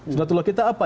sunatullah kita apa